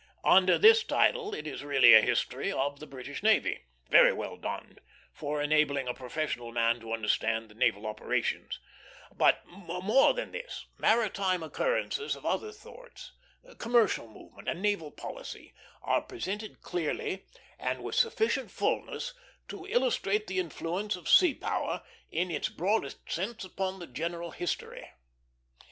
Under this title it is really a history of the British navy, very well done for enabling a professional man to understand the naval operations; but, more than this, maritime occurrences of other sorts, commercial movement, and naval policy, are presented clearly, and with sufficient fulness to illustrate the influence of sea power in its broadest sense upon the general history.